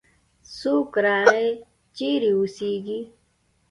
څوک راغی؟ چیرې اوسیږې؟